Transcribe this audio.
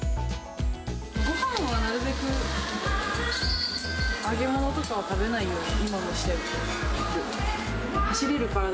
ごはんはなるべく、揚げ物とかは食べないように、今もしている。